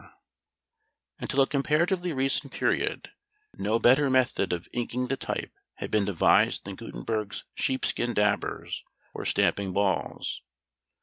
abcdefghijklmnopqrstuv ] Until a comparatively recent period, no better method of inking the type had been devised than Gutenberg's sheep skin dabbers, or stamping balls.